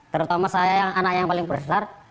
terutama saya yang anak yang paling besar